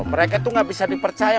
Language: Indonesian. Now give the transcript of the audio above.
mereka tuh ga bisa dipercaya